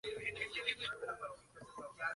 Derrotaron en la final a Ryan Harrison y Mark Knowles.